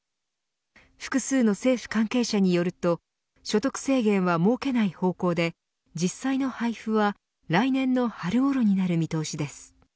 複数の政府関係者によると所得制限は設けない方向で実際の配布は来年の春ごろになる見通しです。